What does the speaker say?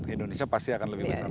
indonesia pasti akan lebih besar